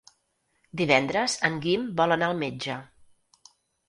Divendres en Guim vol anar al metge.